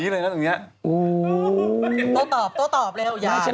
ต้องตอบเร็ว